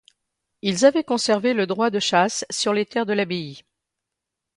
Ils avaient conservé le droit de chasse sur les terres de l'abbaye.